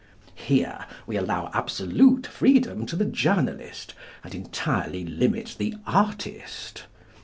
Here we allow absolute freedom to the journalist, and entirely limit the artist.